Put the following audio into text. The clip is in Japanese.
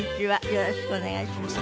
よろしくお願いします。